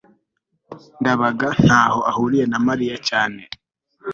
ndabaga ntaho ahuriye na mariya cyane